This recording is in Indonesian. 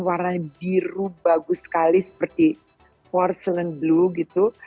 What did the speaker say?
warnanya biru bagus sekali seperti porcelain blue gitu